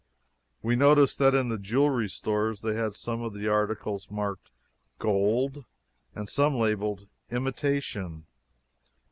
We noticed that in the jewelry stores they had some of the articles marked "gold" and some labeled "imitation."